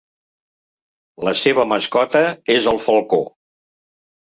La seva mascota és el falcó.